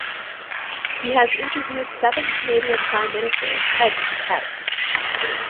He has interviewed seven Canadian Prime Ministers head-to-head.